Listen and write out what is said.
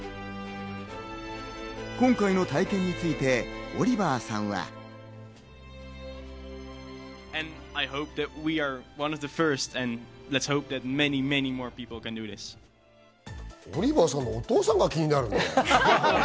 今回の体験についてオリバーさんは。オリバーさんのお父さんが気になるね。